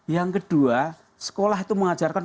yang kedua sekolah itu mengajarkan